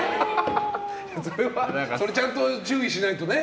それはちゃんと注意しないとね。